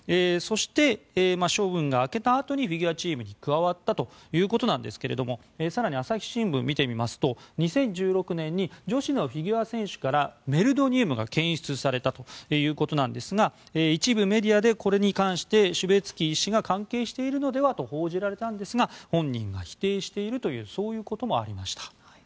そして、処分が明けたあとにフィギュアチームに加わったということなんですが更に、朝日新聞を見てみますと２０１６年に女子のフィギュア選手からメルドニウムが検出されたということなんですが一部メディアでこれに関してシュベツキー医師が関係しているのではと報じられたんですが本人は否定しているということもありました。